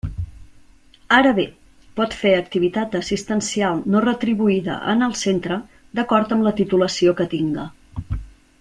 Ara bé, pot fer activitat assistencial no retribuïda en el centre, d'acord amb la titulació que tinga.